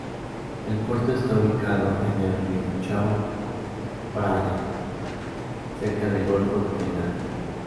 El puerto está ubicado en el río Chao Phraya, cerca del Golfo de Tailandia.